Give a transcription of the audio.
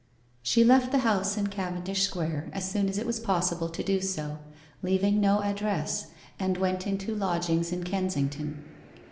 She left the house in Cavendish Square as soon as it was possible to do so, leaving no address, and went into lodg ings in Kensington.